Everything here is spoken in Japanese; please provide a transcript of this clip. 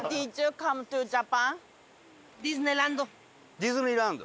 ディズニーランド。